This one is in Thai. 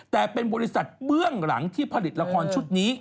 แต่เป็นบริษัทเบื้องหลังที่ผลิตละครชุดนี้